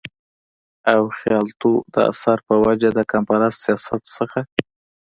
او خياالتو د اثر پۀ وجه د قامپرست سياست نه